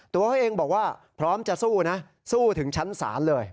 ตัวเขาเองบอกว่าพร้อมจะสู้นะสู้ถึงชั้นศาลเลย